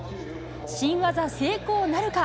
新技成功なるか。